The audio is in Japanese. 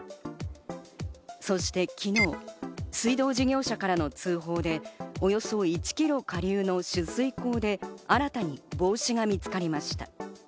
そして昨日、水道事業者からの通報でおよそ１キロ下流の取水口で新たに帽子が見つかりました。